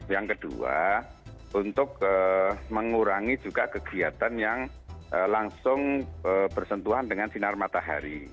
yang kedua untuk mengurangi juga kegiatan yang langsung bersentuhan dengan sinar matahari